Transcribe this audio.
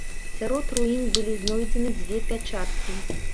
Сярод руін былі знойдзены дзве пячаткі.